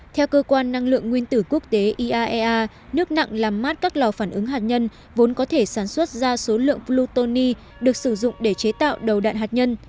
theo cơ quan năng lượng nguyên tử quốc tế iaea nước nặng làm mát các lò phản ứng hạt nhân vốn có thể sản xuất ra số lượng plutoni được sử dụng để chế tạo đầu đạn hạt nhân